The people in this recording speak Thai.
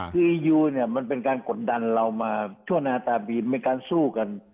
คือยูเนี่ยมันเป็นการกดดันเรามาชั่วนาตาบีนเป็นการสู้กัน